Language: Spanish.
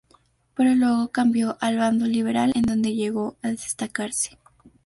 Pero luego cambió al bando liberal, en donde llegó a destacarse.